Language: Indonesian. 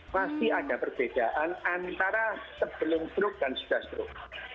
pasti ada perbedaan antara sebelum struk dan sudah struk